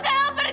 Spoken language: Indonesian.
kalau kamu bisa